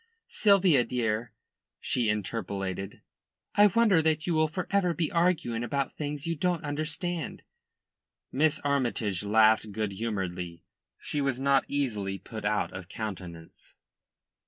"Sylvia, dear," she interpolated, "I wonder that you will for ever be arguing about things you don't understand." Miss Armytage laughed good humouredly. She was not easily put out of countenance.